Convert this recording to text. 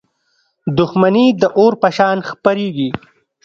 • دښمني د اور په شان خپرېږي.